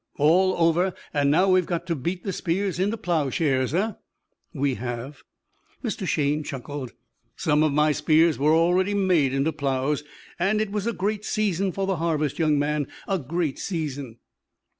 "All over. And now we've got to beat the spears into plowshares, eh?" "We have." Mr. Shayne chuckled. "Some of my spears were already made into plows, and it was a great season for the harvest, young man a great season."